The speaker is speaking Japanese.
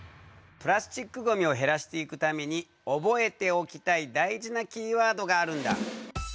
プラスチックごみを減らしていくために覚えておきたい大事なキーワードがあるんだ。